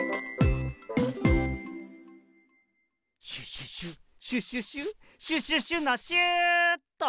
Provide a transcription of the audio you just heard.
シュシュシュシュシュシュシュシュシュのシューっと！